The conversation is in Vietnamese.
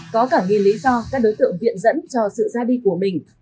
có cả nghìn lý do các đối tượng viện dẫn cho sự ra đi của mình